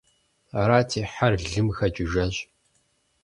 Арати, хьэр лым хэкӀыжащ.